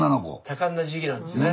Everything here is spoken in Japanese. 多感な時期なんですね。